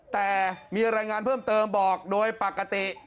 แต่มีรายงานเพิ่มเติมบอกโดยปกติ